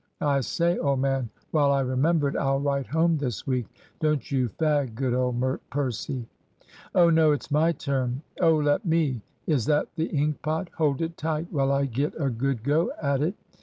I say, old man, while I remember it, I'll write home this week. Don't you fag, good old Percy." "Oh no, it's my turn." "Oh, let me. Is that the ink pot? Hold it tight while I get a good go at it."